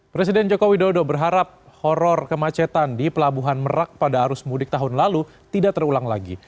presiden joko widodo berharap horror kemacetan di pelabuhan merak pada arus mudik tahun lalu tidak terulang lagi